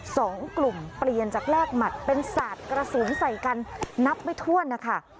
สองกลุ่มเปลี่ยนจากแรกหมัดเป็นสาดกระสุนใส่กันนับไม่ถ้วนนะคะ